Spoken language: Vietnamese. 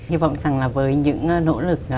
hy vọng rằng là với những nỗ lực